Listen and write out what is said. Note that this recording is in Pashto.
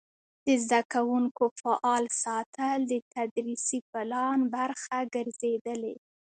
د زده کوونکو فعال ساتل د تدریسي پلان برخه ګرځېدلې.